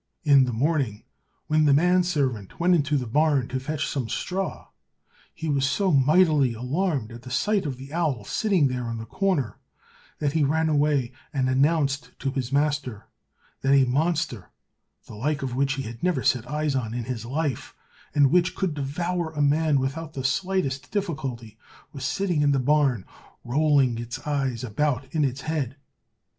In the morning when the man servant went into the barn to fetch some straw, he was so mightily alarmed at the sight of the owl sitting there in a corner, that he ran away and announced to his master that a monster, the like of which he had never set eyes on in his life, and which could devour a man without the slightest difficulty, was sitting in the barn, rolling its eyes about in its head.